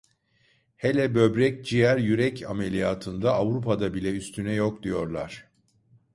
Hele böbrek, ciğer, yürek ameliyatında Avrupa'da bile üstüne yok diyorlar.